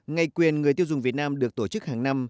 ngày quyền người tiêu dùng việt nam được tổ chức hàng năm